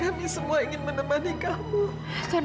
kami semua ingin menjelaskan kamila sendiri